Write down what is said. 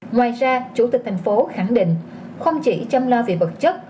ngoài ra chủ tịch thành phố khẳng định không chỉ chăm lo về vật chất